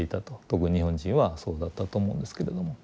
特に日本人はそうだったと思うんですけれども。